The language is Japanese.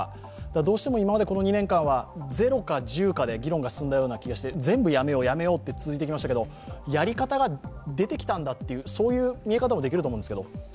どうしても今までこの２年間はゼロか１０かで議論が進んだ気がして全部やめよう、やめようと続いてきましたけどやり方が出てきたんだという見え方もできると思うんですが。